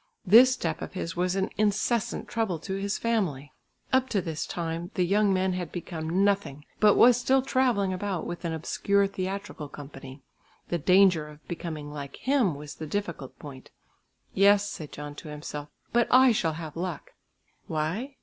This step of his was an incessant trouble to his family. Up to this time the young man had become nothing but was still travelling about with an obscure theatrical company. The danger of becoming like him was the difficult point. "Yes," said John to himself, "but I shall have luck." Why?